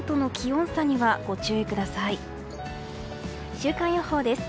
週間予報です。